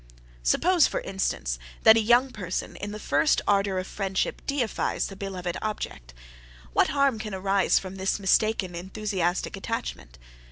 Suppose, for instance, that a young person in the first ardour of friendship deifies the beloved object what harm can arise from this mistaken enthusiastic attachment?